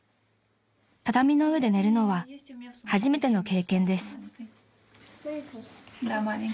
［畳の上で寝るのは初めての経験です］